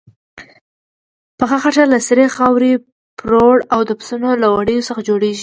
پخه خټه له سرې خاورې، پروړې او د پسونو له وړیو څخه جوړیږي.